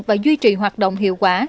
và duy trì hoạt động hiệu quả